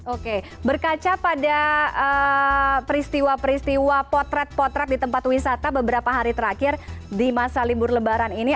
oke berkaca pada peristiwa peristiwa potret potret di tempat wisata beberapa hari terakhir di masa libur lebaran ini